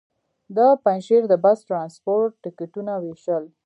د پنجشېر د بس ټرانسپورټ ټکټونه وېشل.